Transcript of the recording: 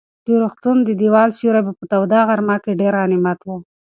د روغتون د دېوال سیوری په توده غرمه کې ډېر غنیمت و.